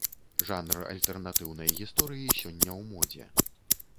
Жанр альтэрнатыўнай гісторыі сёння ў модзе.